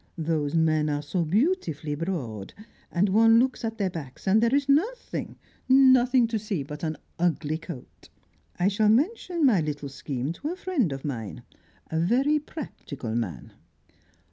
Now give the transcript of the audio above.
Those men are so beautifully broad, and one looks at their backs, and there is nothing, nothing to see but an ugly coat. I shall mention my little scheme to a friend of mine, a very practical man."